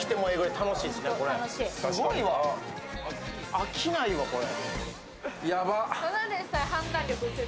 飽きないわ、これ。